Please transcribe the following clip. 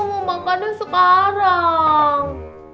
mau makan nya sekarang